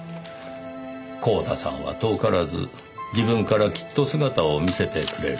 光田さんは遠からず自分からきっと姿を見せてくれる。